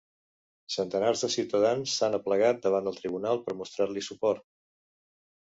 Centenars de ciutadans s’han aplegat davant el tribunal per mostrar-li suport.